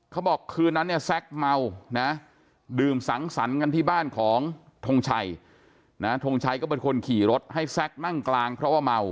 เขาบอกคืนนั้นเนี่ยแซ็กเมานะดื่มสังสรรค์กันที่บ้านของทงชัยนะทงชัยก็เป็นคนขี่รถให้แซ็กนั่งกลางเพราะว่าเมา